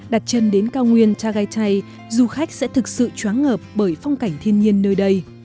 đặt chân đến cao nguyên cha gai du khách sẽ thực sự chóng ngợp bởi phong cảnh thiên nhiên nơi đây